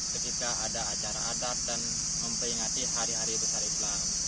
ketika ada acara adat dan memperingati hari hari besar islam